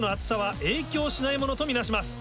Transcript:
ものと見なします。